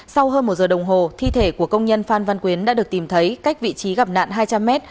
sau hơn một giờ đồng hồ thi thể của công nhân phan văn quyến đã được tìm thấy cách vị trí gặp nạn hai trăm linh m